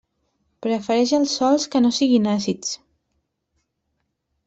Prefereix els sòls que no siguin àcids.